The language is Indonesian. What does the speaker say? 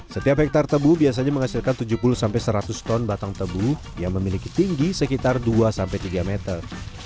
setiap hektare tebu biasanya menghasilkan tujuh puluh seratus ton batang tebu yang memiliki tinggi sekitar dua tiga meter